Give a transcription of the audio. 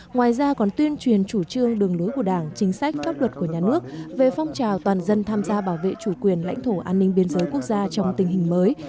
ngoài ra còn tuyên truyền chủ trương đường lối của đảng chính sách pháp luật của nhà nước về phong trào toàn dân tham gia bảo vệ chủ quyền lãnh thổ an ninh biên giới quốc gia trong tình hình mới